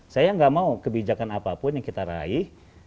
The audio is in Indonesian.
saya nggak mau kebijakan apapun yang kita raih